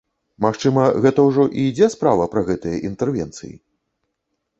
Магчыма, гэта ўжо і ідзе справа пра гэтыя інтэрвенцыі?